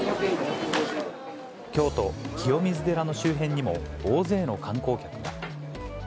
京都・清水寺の周辺にも大勢の観光客が。